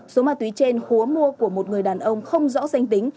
số ma túy trên khốa mua của một người đàn ông không rõ danh tính